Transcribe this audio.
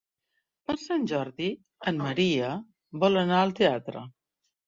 Per Sant Jordi en Maria vol anar al teatre.